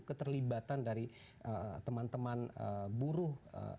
keterlibatan dari teman teman buruh